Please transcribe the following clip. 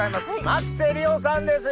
牧瀬里穂さんです